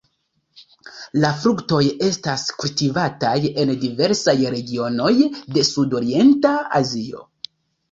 La fruktoj estas kultivataj en diversaj regionoj de sudorienta Azio.